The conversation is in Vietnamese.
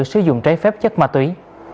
sử dụng trái phép chất ma túy